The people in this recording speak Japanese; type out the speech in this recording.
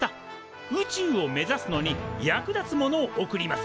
宇宙を目指すのに役立つものを贈ります。